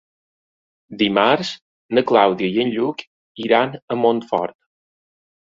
Dimarts na Clàudia i en Lluc iran a Montfort.